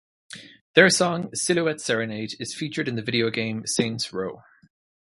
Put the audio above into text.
Their song "Silhouette Serenade" is featured in the video game "Saints Row".